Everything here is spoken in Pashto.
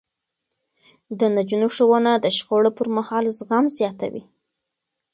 د نجونو ښوونه د شخړو پرمهال زغم زياتوي.